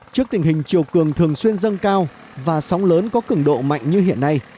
trước tình hình chiều cường thường xuyên dâng cao và sóng lớn có cứng độ mạnh như hiện nay